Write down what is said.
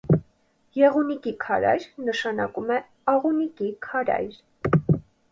Եղունիկի քարայր նշանակում է աղունիկի քարայր։